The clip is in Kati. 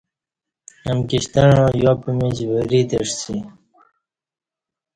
امکی شتعاں یا پِیمیچ وری تعسی۔